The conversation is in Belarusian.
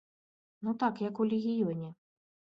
Ну так, як у легіёне.